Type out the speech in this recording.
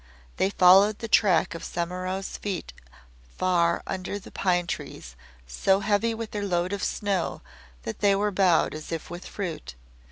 They followed the track of Semimaru's feet far under the pine trees so heavy with their load of snow that they were bowed as if with fruit.